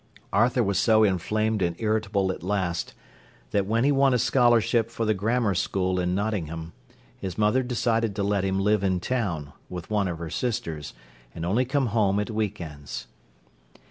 Arthur was so inflamed and irritable at last, that when he won a scholarship for the Grammar School in Nottingham, his mother decided to let him live in town, with one of her sisters, and only come home at week ends.